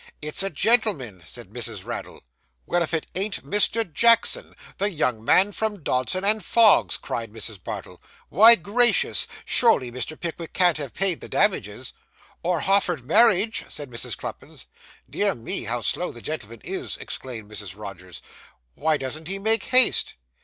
'It's a gentleman,' said Mrs. Raddle. 'Well, if it ain't Mr. Jackson, the young man from Dodson and Fogg's!' cried Mrs. Bardell. 'Why, gracious! Surely Mr. Pickwick can't have paid the damages.' 'Or hoffered marriage!' said Mrs. Cluppins. 'Dear me, how slow the gentleman is,' exclaimed Mrs. Rogers. 'Why doesn't he make haste!